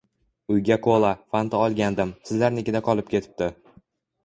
- Uyga Cola, Fanta olgandim, sizlarnikida qolib ketibdi!